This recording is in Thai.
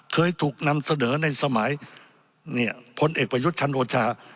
เคยถูกนำเสนอในสมัยพลเอกประยุทธ์จันโอชา